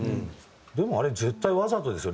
でもあれ絶対わざとですよね？